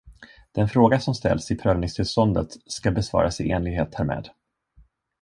Den fråga som ställs i prövningstillståndet ska besvaras i enlighet härmed.